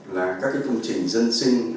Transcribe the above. là các công trình dân sinh